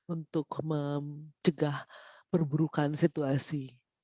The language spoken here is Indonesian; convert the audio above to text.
untuk mencegah perburukan situasi